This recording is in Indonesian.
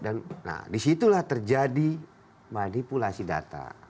nah di situlah terjadi manipulasi data